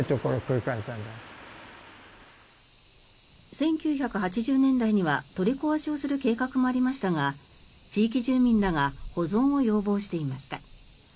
１９８０年代には取り壊しをする計画もありましたが地域住民らが保存を要望していました。